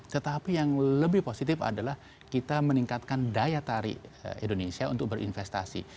tetapi yang lebih positif adalah kita meningkatkan daya tarik indonesia untuk berinvestasi